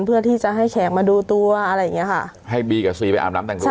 เพื่อที่จะให้แขกมาดูตัวอะไรอย่างเงี้ยค่ะให้บีกับซีไปอาบน้ำแต่งตัว